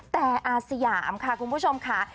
แต่อาสยามค่ะคุณผู้ชมค่ะ